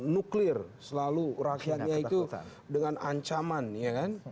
nuklir selalu rakyatnya itu dengan ancaman ya kan